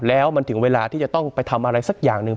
แล้วมันถึงเวลาที่จะต้องไปทำอะไรสักอย่างหนึ่ง